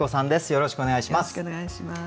よろしくお願いします。